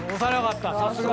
さすが。